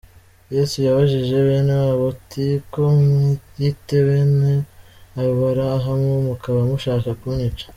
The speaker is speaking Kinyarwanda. Yesu yabajije benewabo ati ko mwiyita bene Aburahamu, mukaba mushaka kunyica?